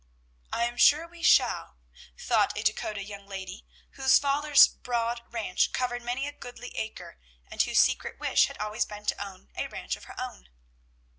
"I am sure we shall," thought a Dakota young lady, whose father's broad ranch covered many a goodly acre, and whose secret wish had always been to own a ranch of her own.